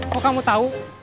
kok kamu tau